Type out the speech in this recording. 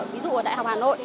ví dụ ở đại học hà nội